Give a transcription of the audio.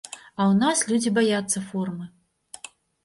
А ў нас людзі баяцца формы.